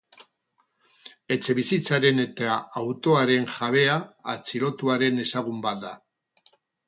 Etxebizitzaren eta autoaren jabea atxilotuaren ezagun bat da.